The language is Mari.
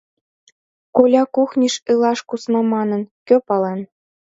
Коля кухньыш илаш кусна манын, кӧ пален...